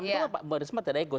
ya enam itu baris banget tidak ikut